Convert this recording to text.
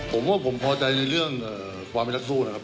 ผมว่าผมพอใจในเรื่องความเป็นนักสู้นะครับ